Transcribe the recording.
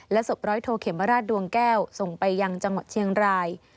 ศพร้อยโทเขมราชดวงแก้วส่งไปยังจังหวัดเชียงราย